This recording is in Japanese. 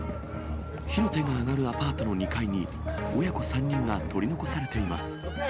火の手が上がるアパートの２階に、親子３人が取り残されています。